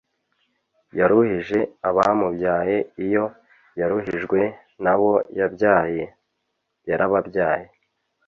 yaruhije abamubyaye iyo yaruhijwe n'abo yabyaye. narababyaye